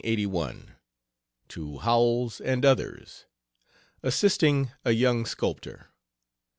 LETTERS 1881, TO HOWELLS AND OTHERS. ASSISTING A YOUNG SCULPTOR.